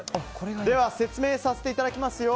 では説明させていただきます。